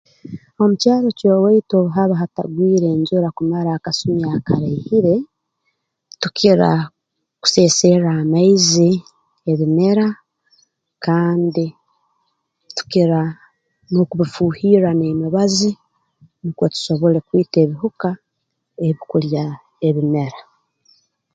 Omu kyaro eky'owaitu obu haba hatagwire njura kumara akasumi akaraihire tukira kuseserra amaizi ebimera kandi tukira n'okubifuuhirra n'emibazi nukwo tusobole kwita ebihuka ebikulya ebimera